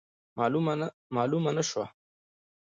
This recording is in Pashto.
معلومه نه سوه.